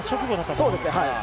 そうですね。